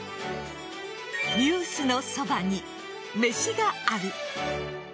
「ニュースのそばに、めしがある。」